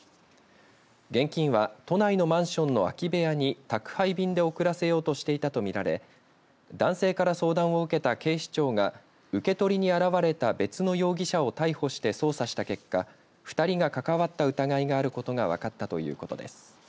現金は都内のマンションの空き部屋に宅配便で送らせようとしていたと見られ男性から相談を受けた警視庁が受け取りに現れた別の容疑者を逮捕して捜査した結果２人が関わった疑いがあることが分かったということです。